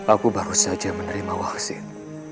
aku baru saja menerima wahsin